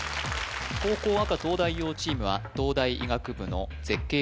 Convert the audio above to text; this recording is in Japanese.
後攻赤東大王チームは東大医学部の絶景